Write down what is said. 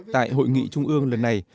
tại hội nghị trung ương lần này